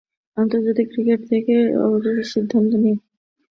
আন্তর্জাতিক ক্রিকেট থেকে অবসরের সিদ্ধান্ত নিয়ে আমার তাই কোনো অনুশোচনা নেই।